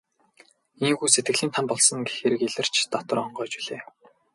Ийнхүү сэтгэлийн там болсон хэрэг илэрч дотор онгойж билээ.